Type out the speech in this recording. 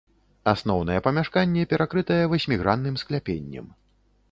Асноўнае памяшканне перакрытае васьмігранным скляпеннем.